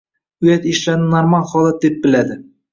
uyat ishlarni normal holat deb biladi.